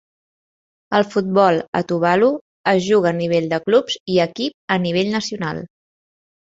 El futbol a Tuvalu es juga a nivell de clubs i equip a nivell nacional.